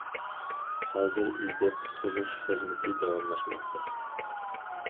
ھازىر ئىزدەپ، قۇتقۇزۇش خىزمىتى داۋاملاشماقتا.